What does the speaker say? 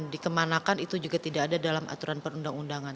dikemanakan itu juga tidak ada dalam aturan perundang undangan